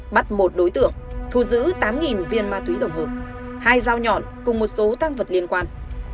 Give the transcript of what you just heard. bắt một đối tượng thu giữ tám viên ma túy tổng hợp hai dao nhọn cùng một số tăng vật liên quan